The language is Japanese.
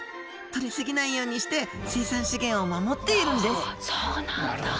とり過ぎないようにして水産資源を守っているんですそうなんだ！